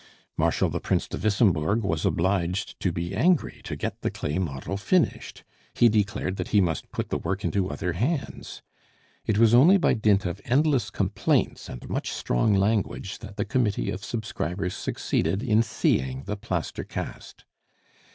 Marshal the Prince de Wissembourg was obliged to be angry to get the clay model finished; he declared that he must put the work into other hands. It was only by dint of endless complaints and much strong language that the committee of subscribers succeeded in seeing the plaster cast.